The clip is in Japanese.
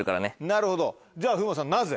なるほどじゃあ風磨さんなぜ？